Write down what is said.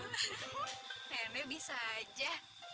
nenek bisa aja